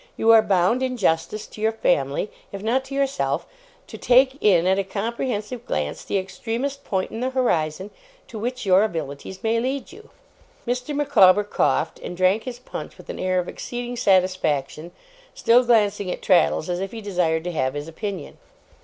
You are bound, in justice to your family, if not to yourself, to take in at a comprehensive glance the extremest point in the horizon to which your abilities may lead you.' Mr. Micawber coughed, and drank his punch with an air of exceeding satisfaction still glancing at Traddles, as if he desired to have his opinion.